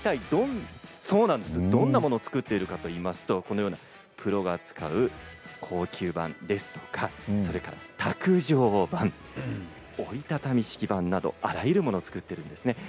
どんなものを作っているかといいますとプロが使う高級盤ですとか卓上盤、折り畳み式盤などあらゆるものを作っています。